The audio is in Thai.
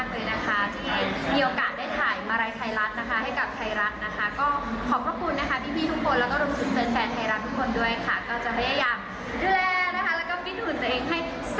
เพื่อเป็นอ่าแบบอย่างที่ดีให้กับทุกคนที่กำลังรักสุขภาพ